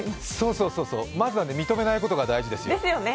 そうそうそう、まずはね認めないことが大事ですよ。